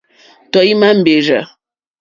Tɔ̀ímá mbèrzà.